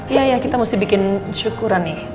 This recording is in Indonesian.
iya ya kita mesti bikin syukuran nih